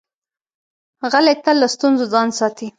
غلی، تل له ستونزو ځان ساتي.